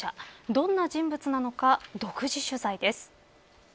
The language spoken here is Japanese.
どんな人物なのか独自取材です。